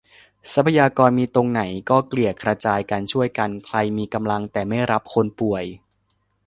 ทรัพยากรมีตรงไหนก็เกลี่ยกระจายกัน ช่วยกัน ใครมีกำลังแต่ไม่รับคนป่วย